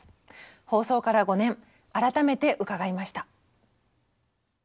放送から５年改めて伺いました。